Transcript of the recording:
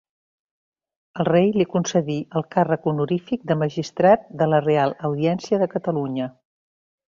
El rei li concedí el càrrec honorífic de Magistrat de la Reial Audiència de Catalunya.